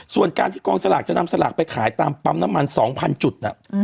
ส่วนการที่กองสลากจะนำสลากไปขายตามปั๊มน้ำมัน๒๐๐จุด